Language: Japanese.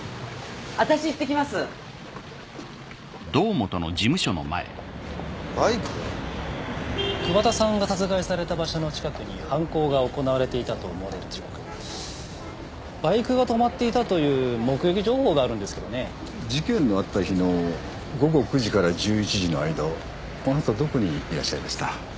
私行ってきます・バイク⁉・桑田さんが殺害された場所の近くに犯行が行われていたと思われる時刻バイクが止まっていたという目撃情報があるんですけどね事件のあった日の午後９時から１１時の間をあなたどこにいらっしゃいました？